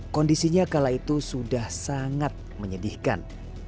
kondisinya kala itu sudah sangat menyedihkan